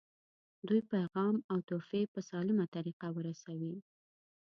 دوی پیغام او تحفې په سالمه طریقه ورسوي.